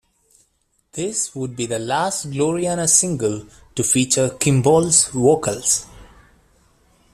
This would be the last Gloriana single to feature Kimball's vocals.